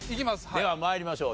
では参りましょう。